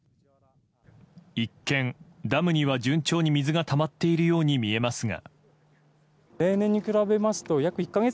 一見、ダムには順調に水がたまっているように見えますが。